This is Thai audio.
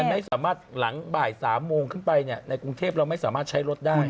ไม่สามารถหลังบ่าย๓โมงขึ้นไปในกรุงเทพเราไม่สามารถใช้รถได้